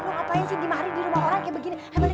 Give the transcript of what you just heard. lo ngapain sih lima hari di rumah orang kayak begini